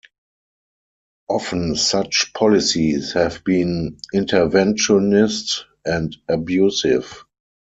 Often such policies have been interventionist, and abusive.